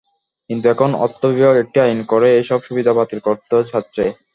কিন্তু এখন অর্থ বিভাগ একটি আইন করে এসব সুবিধা বাতিল করতে চাচ্ছে।